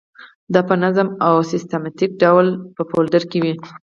دا په منظم او سیستماتیک ډول په فولډر کې وي.